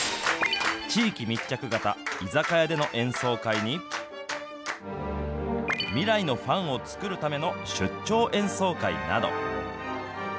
地域密着型、居酒屋での演奏会に、未来のファンを作るための出張演奏会など。